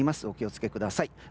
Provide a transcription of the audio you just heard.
お気を付けください。